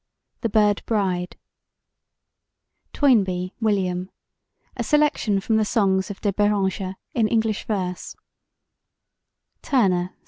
The Bird Bride TOYNBEE, WILLIAM: A Selection from the Songs of De Beranger in English Verse TURNER, C.